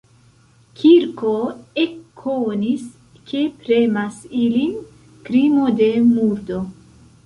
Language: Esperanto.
Kirko ekkonis, ke premas ilin krimo de murdo.